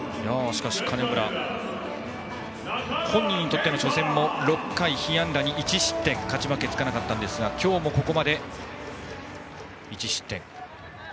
しかし、金村本人にとっての初戦は６回被安打２、１失点で勝ち負けつかなかったんですが今日もここまで１失点。